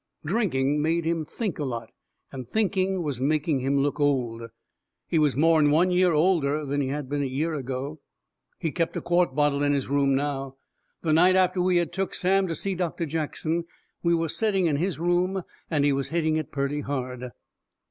Drinking made him think a lot, and thinking was making him look old. He was more'n one year older than he had been a year ago. He kept a quart bottle in his room now. The night after we had took Sam to see Doctor Jackson we was setting in his room, and he was hitting it purty hard.